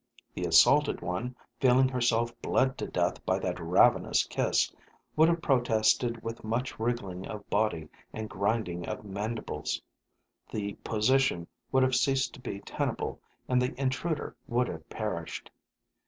The assaulted one, feeling herself bled to death by that ravenous kiss, would have protested with much wriggling of body and grinding of mandibles. The position would have ceased to be tenable and the intruder would have perished.